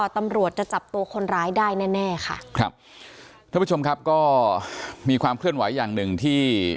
ตำรวจจะจับตัวคนร้ายได้แน่แน่ค่ะครับท่านผู้ชมครับก็มีความเคลื่อนไหวอย่างหนึ่งที่